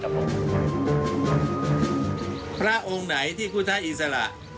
องค์พระองค์ไหนที่พุทธอิสระ